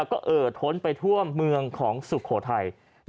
ก็เอ่อท้นไปทั่วเมืองของสุโขทัย